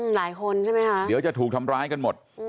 หลายคนใช่ไหมคะเดี๋ยวจะถูกทำร้ายกันหมด